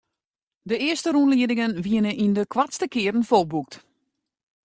De earste rûnliedingen wiene yn de koartste kearen folboekt.